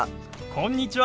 こんにちは。